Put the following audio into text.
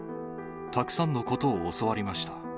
たくさんのことを教わりました。